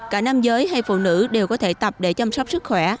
cả nam giới hay phụ nữ đều có thể tập để chăm sóc sức khỏe